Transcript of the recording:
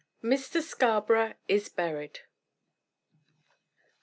MR. SCARBOROUGH IS BURIED.